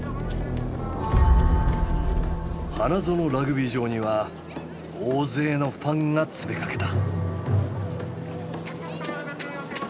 花園ラグビー場には大勢のファンが詰めかけた。